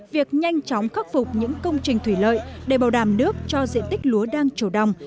việc nhanh chóng khắc phục những công trình thủy lợi để bảo đảm nước cho diện tích lúa đang chủ đồng